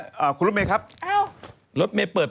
จากธนาคารกรุงเทพฯ